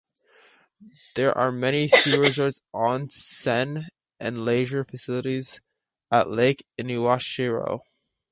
There are many ski resorts, onsen and leisure facilities at Lake Inawashiro.